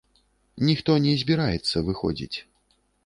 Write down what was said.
Ніхто не збіраецца выходзіць.